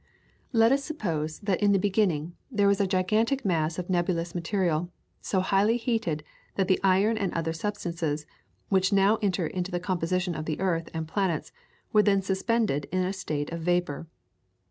Let us suppose that in the beginning there was a gigantic mass of nebulous material, so highly heated that the iron and other substances which now enter into the composition of the earth and planets were then suspended in a state of vapour.